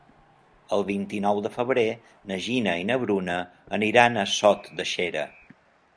El vint-i-nou de febrer na Gina i na Bruna aniran a Sot de Xera.